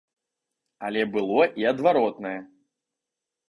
Але было і адваротнае.